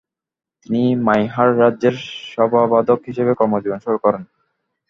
তিনি মাইহার রাজ্যের সভাবাদক হিসেবে কর্মজীবন শুরু করেন।